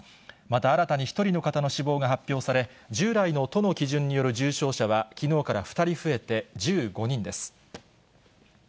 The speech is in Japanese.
また新たに１人の方の死亡が発表され、従来の都の基準による重症者はきのうから２人増えて１５人です。